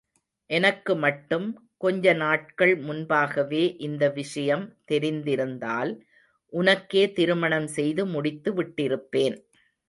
எனக்கு மட்டும், கொஞ்ச நாட்கள் முன்பாகவே இந்த விஷயம் தெரிந்திருந்தால், உனக்கே திருமணம் செய்து முடித்து விட்டிருப்பேன்.